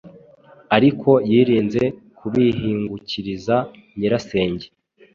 ariko yirinze kubihingukiriza nyirasenge